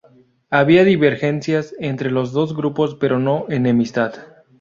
Había divergencias entre los dos grupos pero no enemistad.